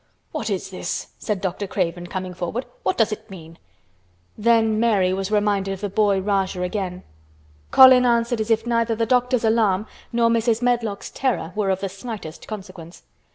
"What is this?" said Dr. Craven, coming forward. "What does it mean?" Then Mary was reminded of the boy Rajah again. Colin answered as if neither the doctor's alarm nor Mrs. Medlock's terror were of the slightest consequence.